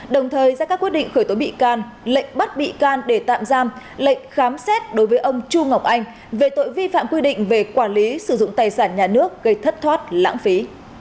đồng thời ra các quyết định khởi tố bị can lệnh bắt bị can để tạm giam lệnh khám xét đối với ông chu ngọc anh về tội vi phạm quy định về quản lý sử dụng tài sản nhà nước gây thất thoát lãng phí